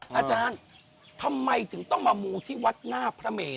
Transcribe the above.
ท่านโทษท่านทำไมถึงต้องมามู้ที่วัดหน้าพระเมน